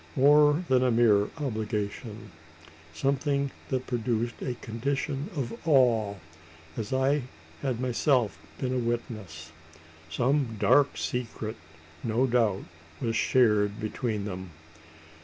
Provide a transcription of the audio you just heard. More than a mere obligation; something that produced a condition of awe: as I had myself been a witness. Some dark secret, no doubt, was shared between them.